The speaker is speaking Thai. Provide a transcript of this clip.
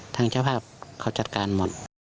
ทางเจ้าภาพเขาจัดการหมด